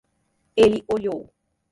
Ele olhou.